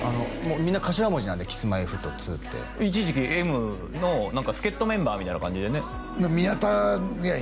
みんな頭文字なんでＫｉｓ−Ｍｙ−Ｆｔ２って一時期「Ｍ」の何か助っ人メンバーみたいな感じでね宮田やん